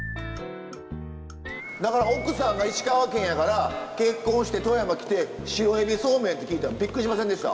だから奥さんが石川県やから結婚して富山来てシロエビそうめんって聞いてびっくりしませんでした？